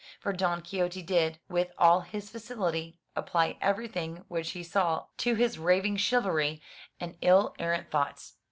For Don Quixote did, with all his facility, apply everything which he saw to his raving 103 MY BOOK HOUSE chivalry and ill errant thoughts.